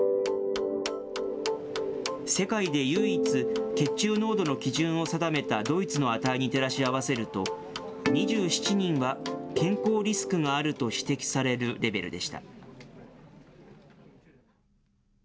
世界で唯一、血中濃度の基準を定めたドイツの値に照らし合わせると、２７人は健康リスクがあると指摘されるレベルでした。